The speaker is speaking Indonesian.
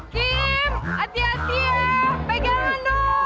kim hati hati ya pegangan dong